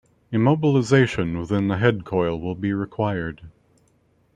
Immobilization within the head coil will be required.